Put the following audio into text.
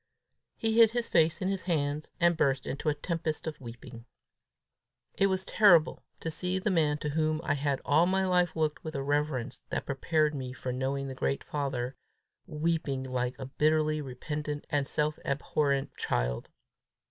He hid his face in his hands, and burst into a tempest of weeping. It was terrible to see the man to whom I had all my life looked with a reverence that prepared me for knowing the great father, weeping like a bitterly repentant and self abhorrent child.